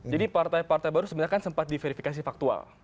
jadi partai partai baru sebenarnya kan sempat diverifikasi faktual